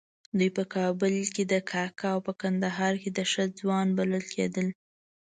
دوی په کابل کې کاکه او په کندهار کې ښه ځوان بلل کېدل.